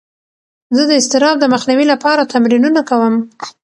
زه د اضطراب د مخنیوي لپاره تمرینونه کوم.